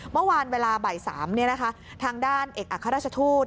เมื่อวานเวลาใบ๓นี้ทางด้านเอกอาคารัสรัตูศ